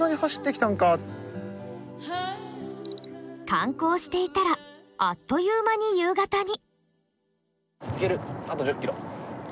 観光していたらあっという間に夕方に。